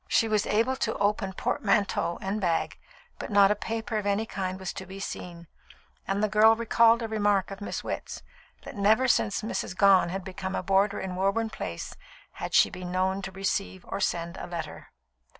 She was able to open portmanteau and bag, but not a paper of any kind was to be seen, and the girl recalled a remark of Miss Witt's, that never since Mrs. Gone had become a boarder in Woburn Place had she been known to receive or send a letter.